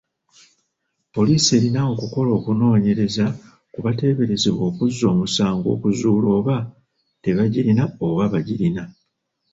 Poliisi erina okukola okunoonyereza ku bateeberezebwa okuzza omusango okuzuula oba tebagirina oba bagirina.